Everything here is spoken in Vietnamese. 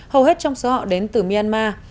hầu hết trong số họ đến từ myanmar